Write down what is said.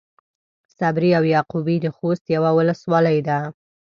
صبري او يعقوبي د خوست يوۀ ولسوالي ده.